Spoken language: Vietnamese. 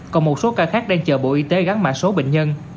còn một số ca khác đang chờ bộ y tế gắn mã số bệnh nhân